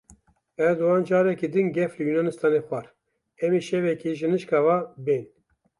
Erdogan careke din gef li Yûnanistanê xwar, em ê şevekê ji nişkeka ve bên.